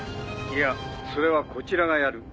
いやそれはこちらがやる。